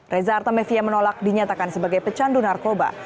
reza artamevia menolak dinyatakan sebagai pecandu narkoba